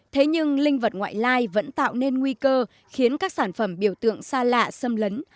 thế nhưng linh vật ngoại lai vẫn tạo nên nguy cơ khiến các sản phẩm biểu tượng xa lạ xâm lấn